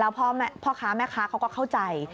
แล้วพ่อค้าแม่ค้าก็เข้าใจ